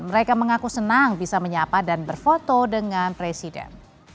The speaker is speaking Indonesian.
mereka mengaku senang bisa menyapa dan berfoto dengan presiden